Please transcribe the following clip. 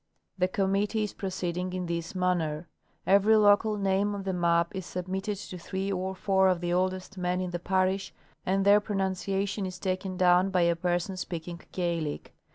The committee is proceeding in this manner : Every local name on the map is submitted to three or four of the oldest men in the parish, and their pronunciation is taken down by a person speaking Gaelic.